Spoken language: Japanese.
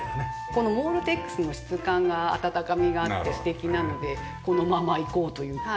このモールテックスの質感が温かみがあって素敵なのでこのままいこうという。